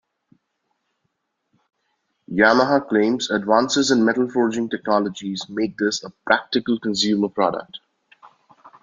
Yamaha claims advances in metal forging technologies make this a practical consumer product.